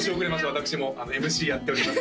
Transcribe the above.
私もＭＣやっております